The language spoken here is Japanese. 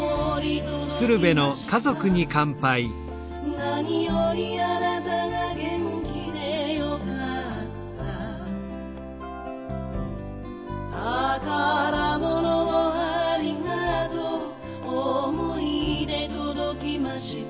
「なによりあなたが元気でよかった」「宝物をありがとう思い出届きました」